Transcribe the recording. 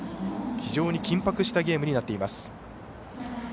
非常に緊迫したゲームになっています。